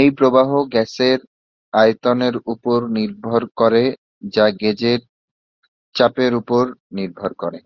এই প্রবাহ গ্যাসের আয়নের উপর নির্ভর করে যা গেজের চাপের উপর নির্ভর করে।